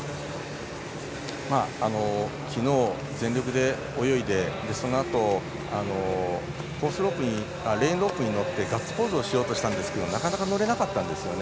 昨日、全力で泳いで、そのあとレーンロープに乗ってガッツポーズしようとしたんですがなかなか乗れなかったんですよね。